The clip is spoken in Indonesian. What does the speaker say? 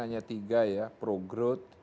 hanya tiga ya pro growth